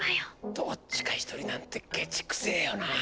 どっちか１人なんてケチくせえよな。